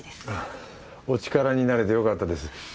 あぁお力になれてよかったです。